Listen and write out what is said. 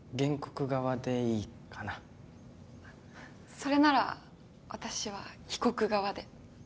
それなら私は被告側で。